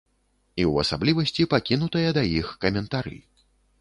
І ў асаблівасці пакінутыя да іх каментары.